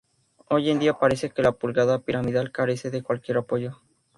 Hoy en día parece que la pulgada piramidal carece de cualquier apoyo.